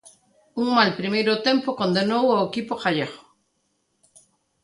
Un mal primeiro tempo condenou ao equipo galego.